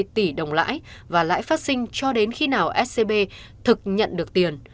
hai trăm bảy mươi bảy tám trăm ba mươi tỷ đồng lãi và lãi phát sinh cho đến khi nào scb thực nhận được tiền